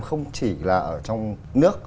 không chỉ là ở trong nước